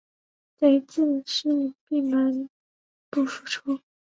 贼自是闭门不复出。